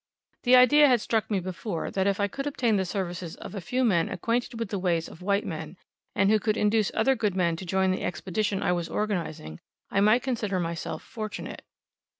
The idea had struck me before, that if I could obtain the services of a few men acquainted with the ways of white men, and who could induce other good men to join the expedition I was organizing, I might consider myself fortunate.